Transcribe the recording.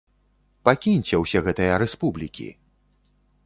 Пакіньце ўсе гэтыя рэспублікі!